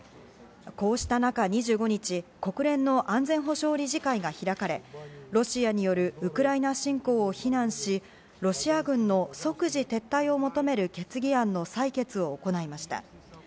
こうした中、２５日、国連の安全保障理事会が開かれ、ロシアによるウクライナ侵攻を非難し、ロシア軍の即時撤退を求める決議案の採決を行いました。